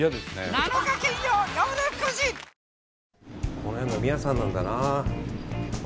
この辺、飲み屋さんなんだな。